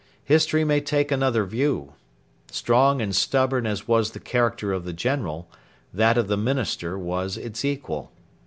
History may take another view. Strong and stubborn as was the character of the General, that of the Minister was its equal.